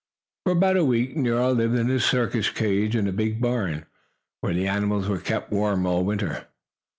For about a week Nero lived in his circus cage in the big barn, where the animals were kept warm all winter.